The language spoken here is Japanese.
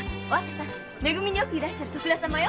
め組によくいらっしゃる徳田様よ。